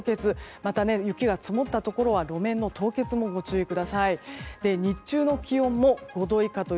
また、雪が積もったところは路面の凍結にもご注意ください。